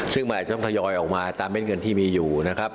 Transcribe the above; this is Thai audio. ซึ่งมันอาจจะต้องทยอยออกมาตามเม็ดเงินที่มีอยู่นะครับ